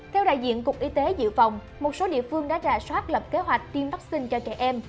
theo đại diện cục y tế dự phòng một số địa phương đã rà soát lập kế hoạch tiêm vaccine cho trẻ em